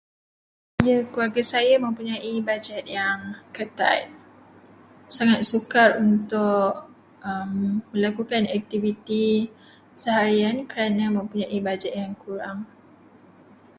Ya, keluarga saya mempunyai bajet yang ketat. Sangat sukar untuk melakukan aktiviti seharian kerana mempunyai bajet yang kurang.